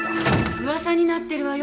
うわさになってるわよ